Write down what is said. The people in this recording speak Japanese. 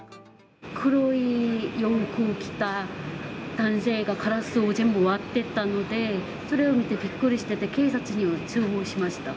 黒い洋服着た男性がガラスを全部割ってったので、それを見て、びっくりして、警察に通報しました。